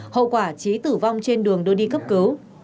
hậu quả trí tử vong trên đường đưa đi cấp cứu